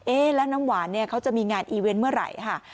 แล้วน้ำหวานเนี่ยเขาจะมีงานอีเวนต์เมื่อไหร่ค่ะ